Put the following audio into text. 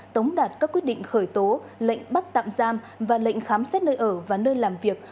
tống đạt các quyết định khởi tố lệnh bắt tạm giam và lệnh khám xét nơi ở và nơi làm việc